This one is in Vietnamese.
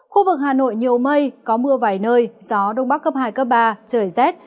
khu vực hà nội nhiều mây có mưa vài nơi gió đông bắc cấp hai cấp ba trời rét